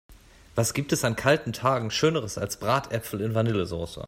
Was gibt es an kalten Tagen schöneres als Bratäpfel in Vanillesoße!